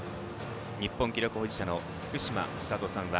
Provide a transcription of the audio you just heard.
日本記録保持者の福島千里さんが